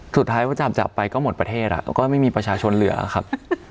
สุดท้ายพอจับไปก็หมดประเทศก็ไม่มีประชาชนเหลือครับ